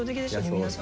皆さん。